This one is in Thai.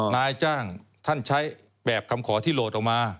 นายจ้างท่านใช้แบบคำขอที่โหลดออกมา